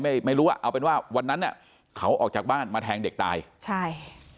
ไม่รู้อ่ะเอาเป็นว่าวันนั้นเนี้ยเขาออกจากบ้านมาแทงเด็กตายใช่